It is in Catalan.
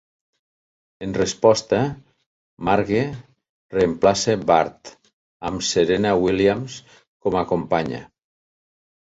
En resposta, Marge reemplaça Bart amb Serena Williams com a companya.